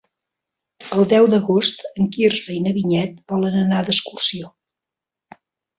El deu d'agost en Quirze i na Vinyet volen anar d'excursió.